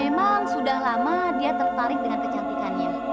memang sudah lama dia tertarik dengan kecantikannya